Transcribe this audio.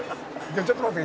「ちょっと待って。